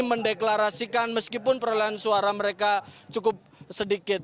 mendeklarasikan meskipun perolehan suara mereka cukup sedikit